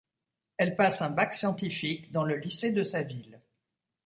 Elle passe un bac scientifique dans le lycée de sa ville.